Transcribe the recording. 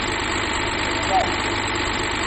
Demoratz.